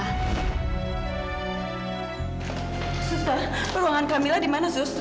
sus pak ruangan kamila di mana sus